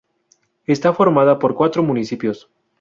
Está formada por cuatro municipios.